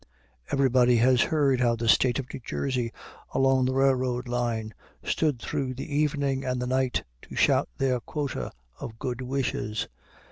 Everybody has heard how the State of New Jersey, along the railroad line, stood through the evening and the night to shout their quota of good wishes.